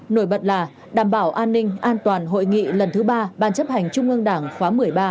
nổi bật là đảm bảo an ninh an toàn hội nghị lần thứ ba ban chấp hành trung ương đảng khóa một mươi ba